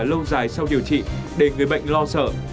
lâu dài sau điều trị để người bệnh lo sợ